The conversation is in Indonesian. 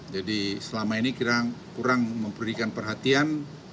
jadi selama ini kita kurang memberikan perhatian